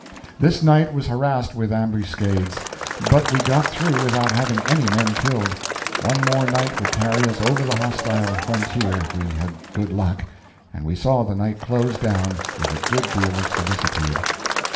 This night was harassed with ambuscades, but we got through without having any men killed. One more night would carry us over the hostile frontier if we had good luck, and we saw the night close down with a good deal of solicitude.